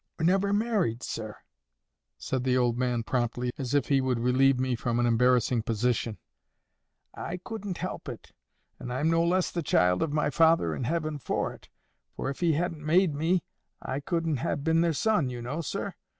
"Were never married, sir," said the old man promptly, as if he would relieve me from an embarrassing position. "I couldn't help it. And I'm no less the child of my Father in heaven for it. For if He hadn't made me, I couldn't ha' been their son, you know, sir.